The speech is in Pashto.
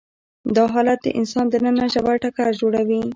دا حالت د انسان دننه ژور ټکر جوړوي.